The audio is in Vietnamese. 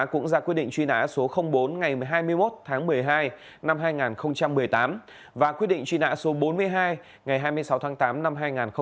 cũng ra quyết định truy nã số bốn ngày hai mươi một tháng một mươi hai năm hai nghìn một mươi tám và quyết định truy nã số bốn mươi hai ngày hai mươi sáu tháng tám năm hai nghìn một mươi bảy